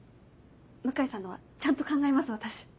向井さんのはちゃんと考えます私。